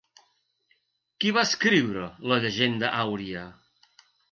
Qui va escriure la Llegenda àuria?